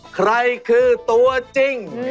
ใครคือตัวจริง